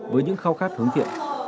với những khao khát hướng thiện